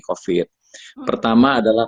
covid sembilan belas pertama adalah